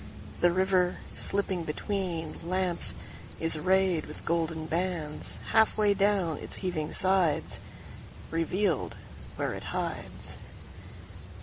The river, slipping betweenLamps, is rayed with golden bandsHalf way down its heaving sides; Revealed where it hides.